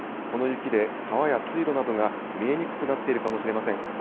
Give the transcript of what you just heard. この雪で川や水路などが見えにくくなっているかもしれません。